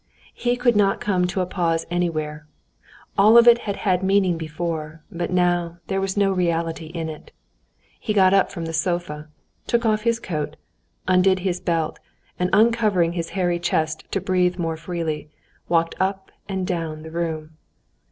He could not come to a pause anywhere. All of it had had meaning before, but now there was no reality in it. He got up from the sofa, took off his coat, undid his belt, and uncovering his hairy chest to breathe more freely, walked up and down the room.